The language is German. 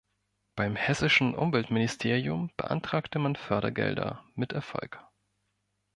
Beim Hessischen Umweltministerium beantragte man Fördergelder, mit Erfolg.